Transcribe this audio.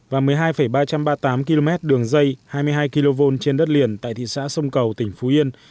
và một mươi hai ba trăm ba mươi tám km đường dây hai mươi hai kv trên đất liền tại thị xã sông cầu tỉnh phú yên